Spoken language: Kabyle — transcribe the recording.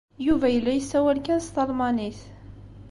Yuba yella yessawal kan s talmanit.